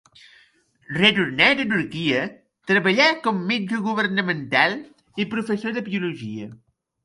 Retornat a Turquia, treballà com metge governamental i professor de biologia.